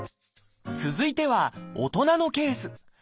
続いては大人のケース。